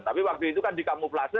tapi waktu itu kan dikamuflasi